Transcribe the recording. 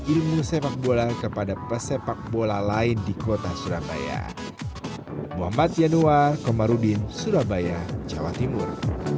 ilmu sepak bola kepada pesepak bola lain di kota surabaya muhammad yanua komarudin surabaya jawa timur